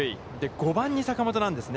５番に坂本さんですね。